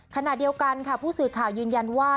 ขณะเดียวกันค่ะผู้สื่อข่าวยืนยันว่า